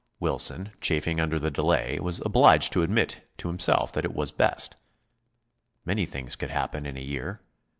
Wilson, chafing under the delay, was obliged to admit to himself that it was best. Many things could happen in a year.